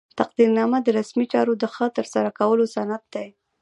تقدیرنامه د رسمي چارو د ښه ترسره کولو سند دی.